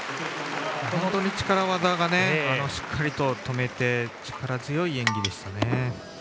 本当に力技をしっかり止めて力強い演技でしたね。